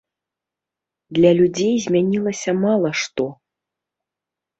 Для людзей змянілася мала што.